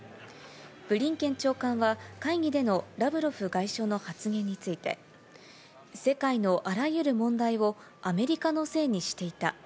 ブリンケン長官は、会議でのラブロフ外相の発言について、世界のあらゆる問題をアメリカのせいにしていた。